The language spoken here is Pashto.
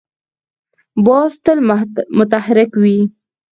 باز تل متحرک وي